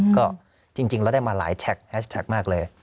ก็จริงแล้วได้มาหลายแท็กแฮชแท็กมากเลย